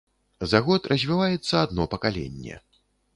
За год развіваецца адно пакаленне.